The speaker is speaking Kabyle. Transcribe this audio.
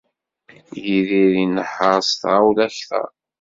Yidir inehher s tɣawla akter.